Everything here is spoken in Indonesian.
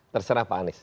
terserah pak anies